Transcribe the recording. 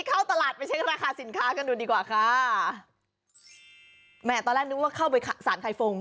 เข้าตลาดไปเช็คราคาสินค้ากันดูดีกว่าค่ะแหม่ตอนแรกนึกว่าเข้าไปสารไข่ฟง